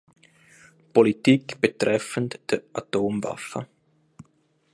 Politik betreffend der Atomwaffen.